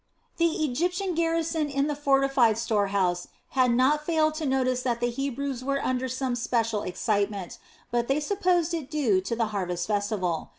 The Egyptian garrison in the fortified store house had not failed to notice that the Hebrews were under some special excitement, but they supposed it due to the harvest festival.